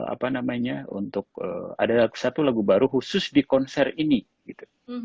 apa namanya untuk ada satu lagu baru khusus di konser ini gitu